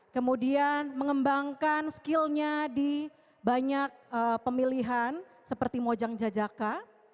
kemudian mengembangkan skillnya di banyak pemilihan seperti mojang jajaka